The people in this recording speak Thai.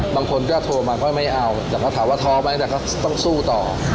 บางคนก็โทรมาก็ไม่เอาแต่เขาถามว่าท้อไหมแต่ก็ต้องสู้ต่อ